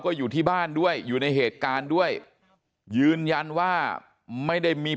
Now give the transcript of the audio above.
ก็อยู่ที่บ้านด้วยอยู่ในเหตุการณ์ด้วยยืนยันว่าไม่ได้มี